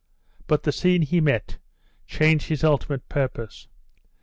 But the scene he met, changed his ultimate purpose.